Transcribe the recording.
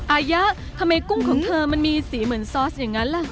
ยะทำไมกุ้งของเธอมันมีสีเหมือนซอสอย่างนั้นล่ะ